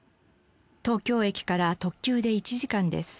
東京駅から特急で１時間です。